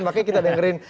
makanya kita dengerin